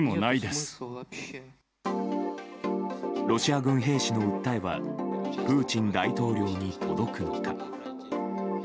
ロシア軍兵士の訴えはプーチン大統領に届くのか。